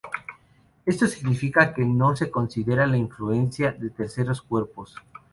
Esto significa que no se considera la influencia de terceros cuerpos.